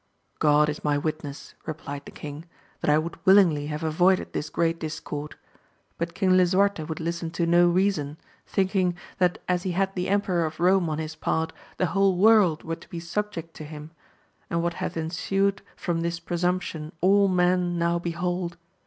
God is my witness, replied the king, that I would willingly have avoided this great discord ; but King Lisuarte would listen to no reason, thinking, that as he had the Emperor of Kome on his part, the whole world were to be subject to him, and what hath ensued from this presumption all men now behold.